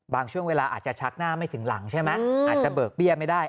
ช่วงเวลาอาจจะชักหน้าไม่ถึงหลังใช่ไหมอาจจะเบิกเบี้ยไม่ได้